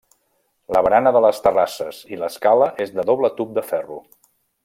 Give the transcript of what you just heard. La barana de les terrasses i l'escala és de doble tub de ferro.